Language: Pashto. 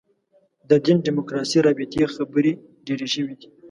د دین دیموکراسي رابطې خبرې ډېرې شوې دي.